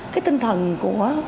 cái tinh thần của